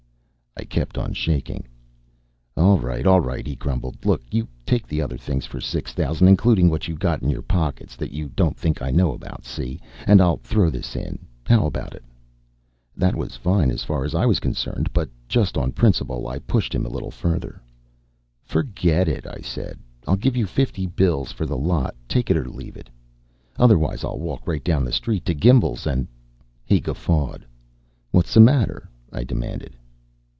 I kept on shaking. "All right, all right," he grumbled. "Look, you take the other things for six thousand including what you got in your pockets that you don't think I know about, see? And I'll throw this in. How about it?" That was fine as far as I was concerned, but just on principle I pushed him a little further. "Forget it," I said. "I'll give you fifty bills for the lot, take it or leave it. Otherwise I'll walk right down the street to Gimbel's and " He guffawed. "Whats the matter?" I demanded.